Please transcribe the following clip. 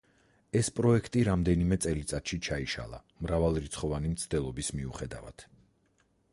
ეს პროექტი რამდენიმე წელიწადში ჩაიშალა მრავალრიცხვოვანი მცდელობის მიუხედავად.